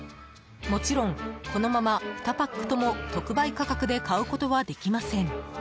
もちろん、このまま２パックとも特売価格で買うことはできません。